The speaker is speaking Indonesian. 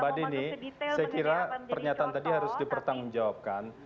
pak dini saya kira pernyataan tadi harus dipertanggungjawabkan